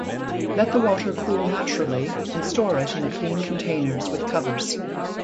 Let water cool naturally and store it in clean containers with covers.